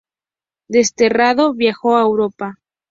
Desterrado, viajó a Europa.